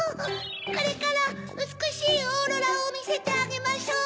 これからうつくしいオーロラをみせてあげましょう！